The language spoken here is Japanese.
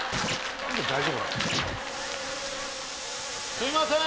すいません。